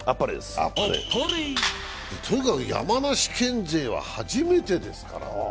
とにかく山梨県勢は初めててですから。